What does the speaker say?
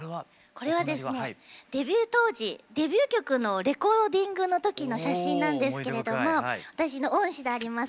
これはですねデビュー当時デビュー曲のレコーディングの時の写真なんですけれども私の恩師であります